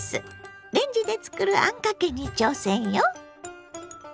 レンジで作るあんかけに挑戦よ！